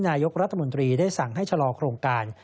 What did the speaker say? นายกรัฐมนตรีได้สั่งให้ชะลอโครงการ